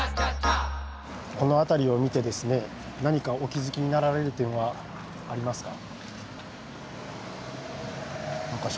この辺りを見て何かお気付きになられる点はありますか？